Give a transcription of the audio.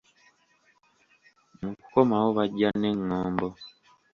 Mu kukomawo bajja n’engombo.